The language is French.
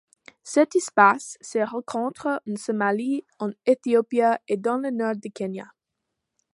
Cette espèce se rencontre en Somalie, en Éthiopie et dans le nord du Kenya.